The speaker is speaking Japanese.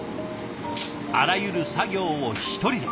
あらゆる作業を一人で。